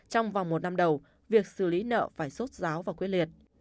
trong vòng một năm đầu việc xử lý nợ phải sốt giáo và quyết liệt